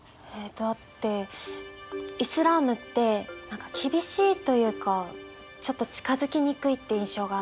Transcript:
だってイスラームって何か厳しいというかちょっと近づきにくいって印象があって。